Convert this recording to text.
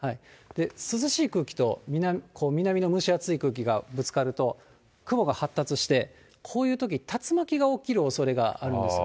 涼しい空気と南の蒸し暑い空気がぶつかると、雲が発達して、こういうとき、竜巻が起きるおそれがあるんです。